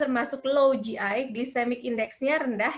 termasuk low gi glisemik indeksnya rendah